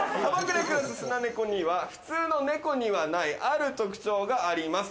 砂漠で暮らすスナネコには普通の猫にはないある特徴があります。